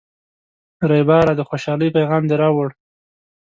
ریبراه، د خوشحالۍ پیغام دې راوړ.